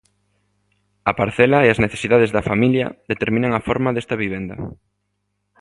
A parcela e as necesidades da familia determinan a forma desta vivenda.